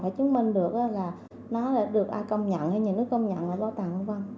phải chứng minh được là nó được ai công nhận hay nhà nước công nhận là lo tặng v v